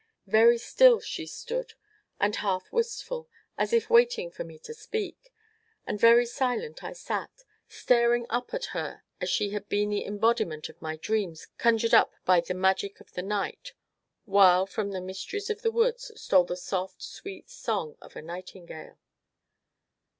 Very still she stood, and half wistful, as if waiting for me to speak, and very silent I sat, staring up at her as she had been the embodiment of my dreams conjured up by the magic of the night, while, from the mysteries of the woods, stole the soft, sweet song of a nightingale.